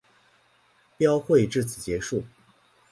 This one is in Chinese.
标会至此结束。